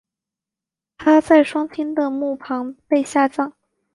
她在双亲的墓旁被下葬。